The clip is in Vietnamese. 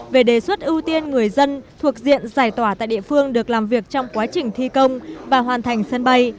về đề xuất ưu tiên người dân thuộc diện giải tỏa tại địa phương được làm việc trong quá trình thi công và hoàn thành sân bay